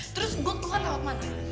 terus gue tuh kan lewat mana